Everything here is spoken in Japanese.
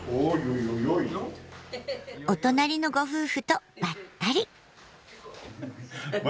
お隣のご夫婦とばったり。